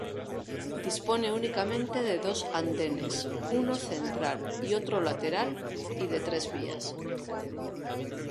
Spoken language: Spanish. Dispone únicamente de dos andenes, uno central y otro lateral y de tres vías.